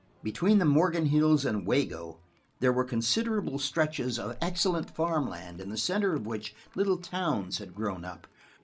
Between the Morgan Hills and Wago there were considerable stretches of excellent farm land in the center of which little towns had grown up.